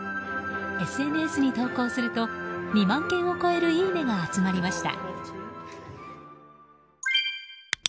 ＳＮＳに投稿すると２万件を超えるいいねが集まりました。